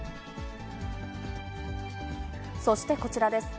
そしてこちらです。